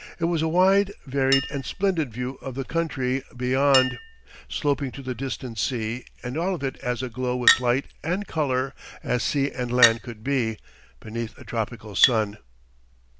It was a wide, varied and splendid view of the country beyond, sloping to the distant sea, and all of it as aglow with light and colour as sea and land could be, beneath a tropic sun.